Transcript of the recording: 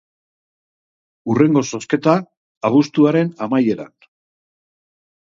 Hurrengo zozketa, abuztuaren amaieran.